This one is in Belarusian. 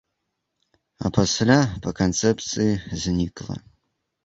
А пасля, па канцэпцыі, знікла.